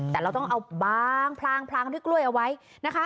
แต่เราต้องเอาบางพลางพลางด้วยกล้วยเอาไว้นะคะ